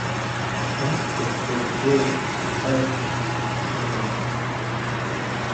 Brakspear bought a brewery on Bell Street, Henley-on-Thames.